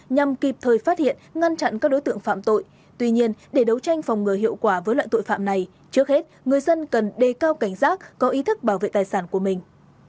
nhằm kịp thời phát hiện ngăn chặn các đối tượng phạm tội tuy nhiên để đấu tranh phòng ngừa hiệu quả với loại tội phạm này trước hết người dân cần đề cao cảnh giác có ý thức bảo vệ tài sản của mình